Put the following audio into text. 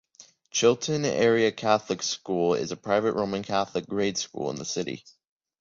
Chilton Area Catholic School is a private Roman Catholic grade school in the city.